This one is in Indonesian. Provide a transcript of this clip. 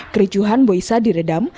kericuhan boisa diredam